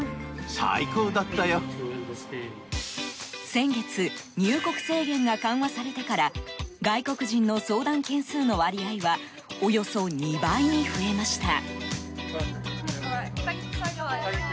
先月入国制限が緩和されてから外国人の相談件数の割合はおよそ２倍に増えました。